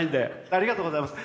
ありがとうございます。